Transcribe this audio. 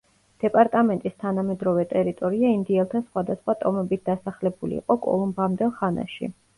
დეპარტამენტის თანამედროვე ტერიტორია ინდიელთა სხვადასხვა ტომებით დასახლებული იყო კოლუმბამდელ ხანაში.